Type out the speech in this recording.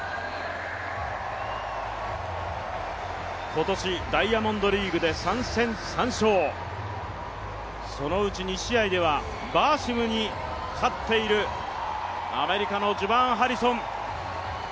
今年、ダイヤモンドリーグで３戦３勝、そのうち２試合ではバーシムに勝っているアメリカのジュバーン・ハリソン。